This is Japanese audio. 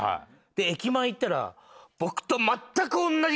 で駅前行ったら。